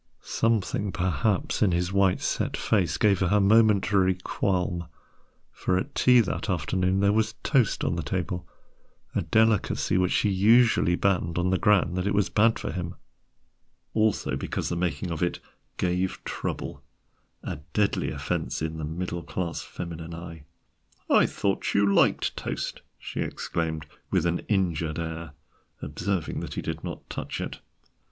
Something perhaps in his white set face gave her a momentary qualm, for at tea that afternoon there was toast on the table, a delicacy which she usually banned on the ground that it was bad for him; also because the making of it "gave trouble," a deadly offence in the middle class feminine eye. "I thought you liked toast," she exclaimed, with an injured air, observing that he did not touch it.